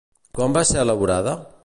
Quan va ser elaborada?